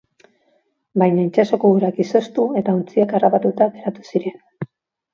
Baina itsasoko urak izoztu eta ontziak harrapatuta geratu ziren.